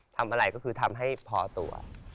ทำอะไรก็คือทำให้พอตัว